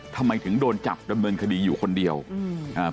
ทำไมถึงโดนจับดำเนินคดีอยู่คนเดียวอืมอ่า